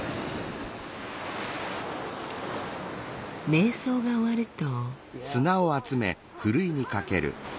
瞑想が終わると。